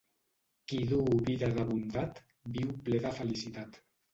Qui duu vida de bondat, viu ple de felicitat.